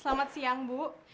selamat siang bu